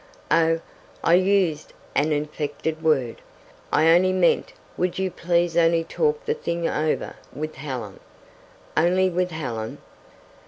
"Oh, I used an affected word. I only meant would you please only talk the thing over with Helen." "Only with Helen."